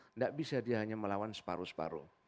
tidak bisa dia hanya melawan separuh separuh